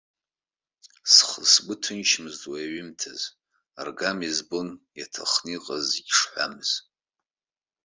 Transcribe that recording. Аха сгәы ҭынчмызт уи аҩымҭазы, аргама избон иаҭахны иҟаз зегьы шҳәамыз.